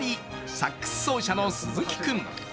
サックス奏者の鈴木くん。